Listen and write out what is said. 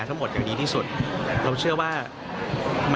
เรียกนะคะ